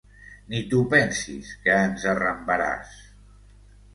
Ni t'ho pensis, que ens arrambaràs!